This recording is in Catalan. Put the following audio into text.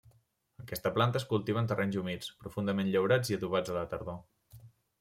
Aquesta planta es cultiva en terrenys humits, profundament llaurats i adobats a la tardor.